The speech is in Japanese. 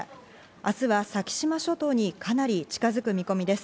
明日は先島諸島にかなり近づく見込みです。